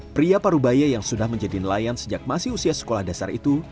pria parubaya yang sudah menjadi nelayan sejak masih usia sekolah dasar itu